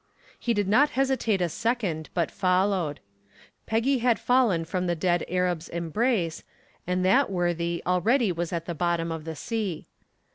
He did not hesitate a second but followed. Peggy had fallen from the dead Arab's embrace, and that worthy already was at the bottom of the sea.